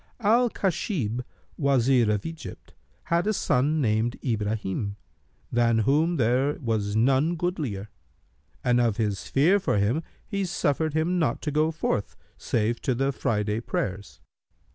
[FN#298] Al Khasнb,[FN#299] Wazir of Egypt, had a son named Ibrahнm, than whom there was none goodlier, and of his fear for him, he suffered him not to go forth, save to the Friday prayers.